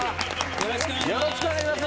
よろしくお願いします。